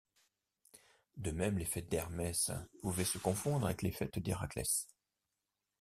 De même, les fêtes d’Hermès pouvaient se confondre avec les fêtes d’Héraclès.